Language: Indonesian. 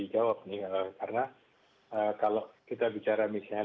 ya memang ini pertanyaan yang